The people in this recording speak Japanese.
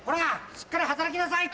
しっかり働きなさい！